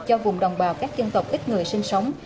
cho vùng đồng bào các dân tộc ít người sinh sống